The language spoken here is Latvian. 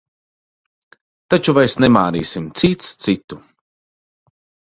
Taču vairs nemānīsim cits citu.